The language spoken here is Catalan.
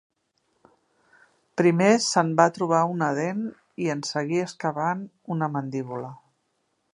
Primer se'n va trobar una dent i en seguir excavant, una mandíbula.